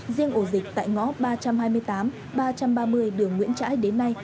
riêng ổ dịch tại ngõ ba trăm hai mươi tám ba trăm ba mươi đường nguyễn trãi đến nay